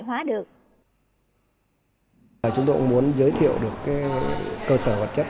chúng tôi cũng muốn giới thiệu được cơ sở vật chất